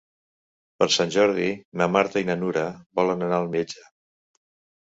Per Sant Jordi na Marta i na Nura volen anar al metge.